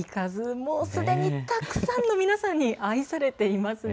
もうすでにたくさんの皆さんに愛されていますね。